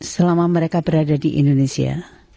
selama mereka berada di indonesia